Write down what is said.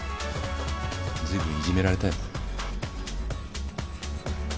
随分いじめられたよ。